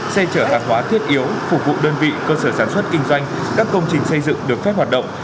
xe chở hàng hóa thiết yếu phục vụ đơn vị cơ sở sản xuất kinh doanh các công trình xây dựng được phép hoạt động